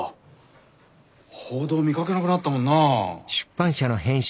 報道見かけなくなったもんなあ。